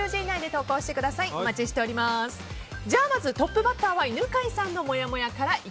まずトップバッターは犬飼さんのもやもやから。